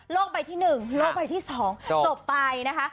โลกไปที่หนึ่งโลกไปที่สองจบไปนะคะ